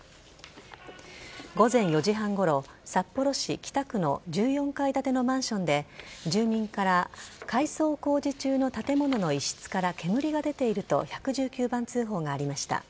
午前４時半ごろ、札幌市北区の１４階建てのマンションで住民から改装工事中の建物の一室から煙が出ていると１１９番通報がありました。